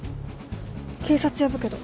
警察呼ぶけど。